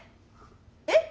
えっ？